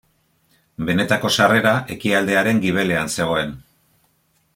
Benetako sarrera ekialdearen gibelean zegoen.